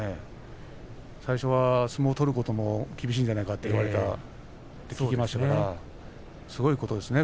最初は相撲を取ることも厳しいんじゃないかと言われたんですがすごいことですね